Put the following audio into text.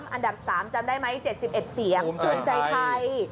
อันดับ๓จำได้ไหม๗๑เสียงชวนใจไทย